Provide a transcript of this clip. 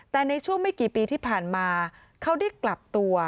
แต่ในช่วงไม่กี่ปีที่ผ่านมาเขาได้กลับตัว